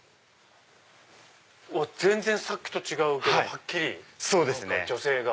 全然さっきと違うけどはっきり女性が。